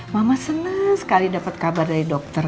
mama seneng sekali dapet kabar dari dokter